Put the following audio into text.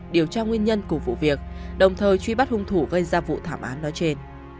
điều tra nguyên nhân của vụ việc đồng thời truy bắt hung thủ gây ra vụ thảm án nói trên